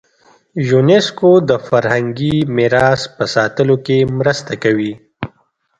یونسکو د فرهنګي میراث په ساتلو کې مرسته کوي.